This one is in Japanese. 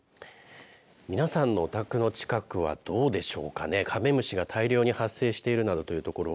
皆さんのお宅の近くはどうでしょうかね、カメムシが大量に発生しているなどというところ。